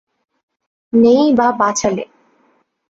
নেই বা বাঁচালে।